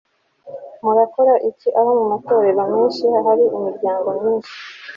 Murakora iki aho Mu matorero menshi hari imiryango myinshi